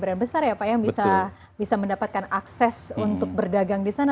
karena ada brand brand besar ya pak yang bisa mendapatkan akses untuk berdagang di sana